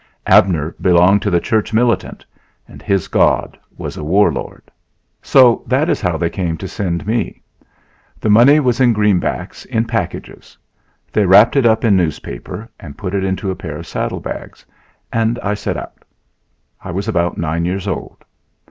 Abner belonged to the church militant and his God was a war lord. So that is how they came to send me. The money was in greenbacks in packages. They wrapped it up in newspaper and put it into a pair of saddle bags, and I set out. I was about nine years old.